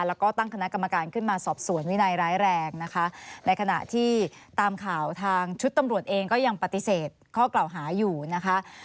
แล้วก็ตั้งคณะกรรมการขึ้นมาสอบสวนวินัยร้ายแรงนะคะในขณะที่ตามข่าวทางชุดตำรวจเองก็ยังปฏิเสธข้อกล่าวหาอยู่นะคะ